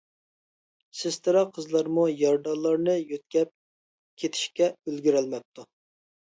سېسترا قىزلارمۇ يارىدارلارنى يۆتكەپ كېتىشكە ئۈلگۈرەلمەپتۇ.